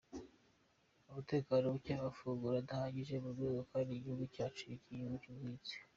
Umutekano muke, amafunguro adahagije mu ngo kandi igihugu cyacu ari igihugu cy’ubuhinzi.